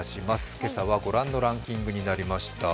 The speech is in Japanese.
今朝はご覧のランキングになりました。